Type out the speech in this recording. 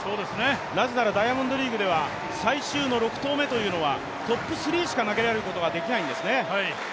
なぜならダイヤモンドリーグでは最終の６投目というのはトップ３しか投げることができないんですね。